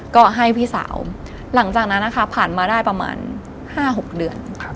ก็ให้พี่สาวหลังจากนั้นนะคะผ่านมาได้ประมาณ๕๖เดือน